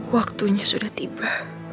waktunya sudah tiba